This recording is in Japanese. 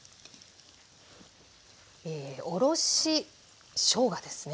おろししょうがですね。